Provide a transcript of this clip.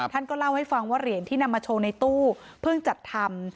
ท่านก็เล่าให้ฟังว่าเหรียญที่นำมาโชว์ในตู้เพิ่งจัดทำ